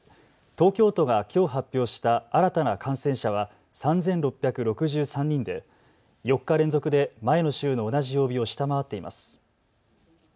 東京都がきょう発表した新たな感染者は３６６３人で４日連続で前の週の同じ曜日を下回っています。